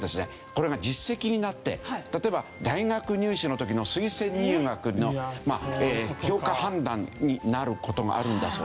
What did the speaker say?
これが実績になって例えば大学入試の時の推薦入学の評価判断になる事があるんだそうです。